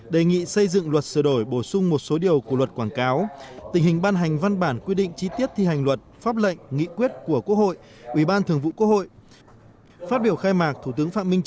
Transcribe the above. đề nghị xây dựng luật sửa đổi bổ sung một số điều của luật quảng cáo tình hình ban hành văn bản quy định chi tiết thi hành luật pháp lệnh nghị quyết của quốc hội ủy ban thường vụ quốc hội